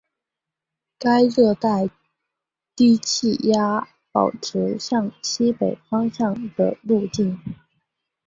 该热带低气压保持向西北方向的路径。